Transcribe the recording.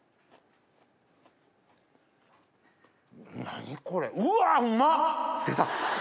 何これうわうまっ！出た。